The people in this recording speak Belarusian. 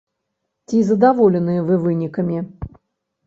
Ці задаволеныя вы вынікамі?